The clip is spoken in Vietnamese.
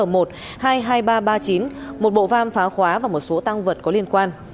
một bộ vam phá khóa và một số tăng vật có liên quan